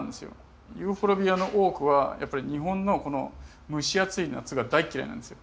ユーフォルビアの多くはやっぱり日本のこの蒸し暑い夏が大嫌いなんですよ。